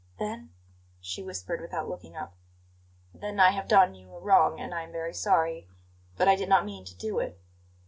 "Then?" she whispered, without looking up. "Then I have done you a wrong, and I am very sorry. But I did not mean to do it."